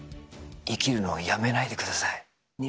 生きるのをやめないでください。